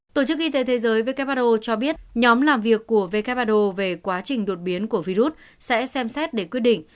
tổ chức y tế thế giới who cho biết nhóm làm việc của who về quá trình đột biến của virus sẽ xem xét để quyết định